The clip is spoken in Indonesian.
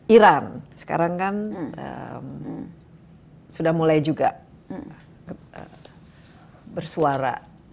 iran sekarang kan sudah mulai juga bersuara